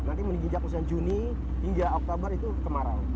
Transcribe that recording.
nanti menginjak musim juni hingga oktober itu kemarau